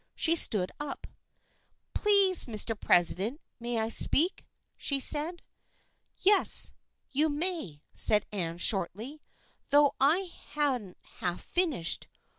She stood up. " Please, Mr. President, may I speak ?" she said. " Yes, you may," said Anne, shortly, " though I hadn't half finished.